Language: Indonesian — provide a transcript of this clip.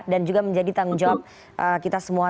dan juga menjadi tanggung jawab kita semua